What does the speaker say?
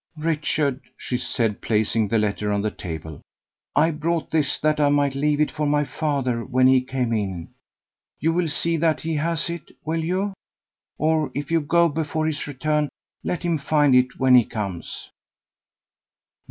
"Richard," she said, placing the letter on the table, "I brought this that I might leave it for my father when he came in. You will see that he has it, will you? or if you go before his return, let him find it when he comes."